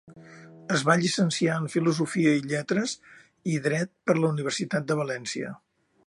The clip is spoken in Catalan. Es va llicenciar en Filosofia i Lletres i Dret per la Universitat de València.